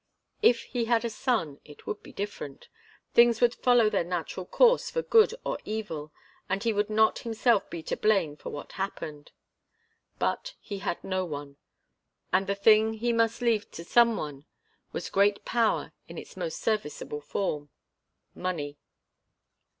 If he had a son, it would be different. Things would follow their natural course for good or evil, and he would not himself be to blame for what happened. But he had no one, and the thing he must leave to some one was great power in its most serviceable form money.